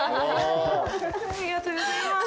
ありがとうございます。